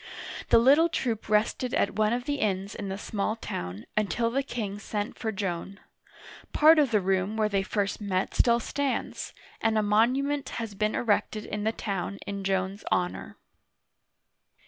The little troop rested at one of the inns in the small town, until the king sent for Joan. Part of the room where they first met still stands, and a monument has been erected in the town in Joan's honor.